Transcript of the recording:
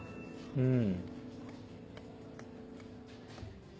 うん。